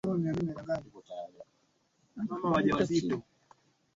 anaweza kusababisha maambukizi ya mara kwa mara